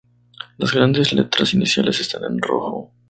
Las grandes letras iniciales están en rojo.